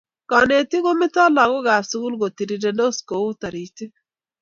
Kanetik kometoi lakokap sukul kotirirendos kou taritik